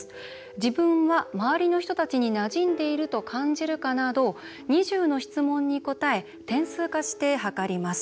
自分は周りの人たちになじんでいると感じるかなど２０の質問に答え点数化して測ります。